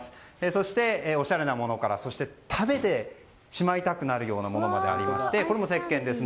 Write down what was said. そして、おしゃれなものから食べてしまいたくなるようなものまでありましてこれもせっけんです。